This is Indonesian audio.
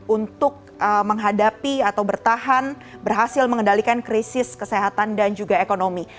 untuk menghadapi atau bertahan berhasil mengendalikan krisis kesehatan dan juga ekonomi